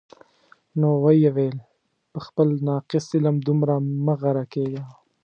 نو ویې ویل: په خپل ناقص علم دومره مه غره کېږه.